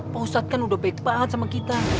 bau sat kan udah baik banget sama kita